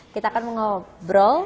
kita akan mengobrol